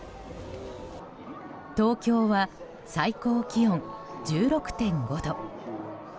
東京は最高気温１６．５度。